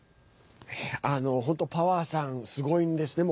本当パワーさんすごいんですね。